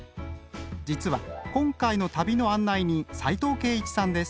実は今回の旅の案内人斉藤惠一さんです。